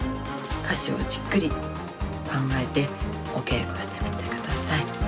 「歌詞をじっくりと考えておけいこしてみてください。